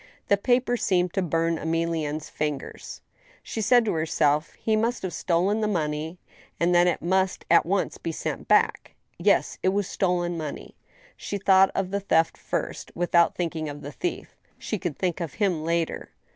.. The paper seemed to bum Emilienne's fingers. She said to herself he must have stoleri the money, and that it must at once be sent back. Yes— it was stolen money. She thought of the theft first, with out thinking of the thief. She could think of him later.